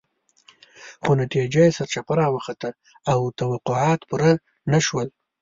خو نتیجه سرچپه راوخته او توقعات پوره نه شول.